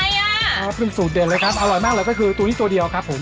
ครับเป็นสูตรเด็ดเลยครับอร่อยมากเลยก็คือตัวนี้ตัวเดียวครับผม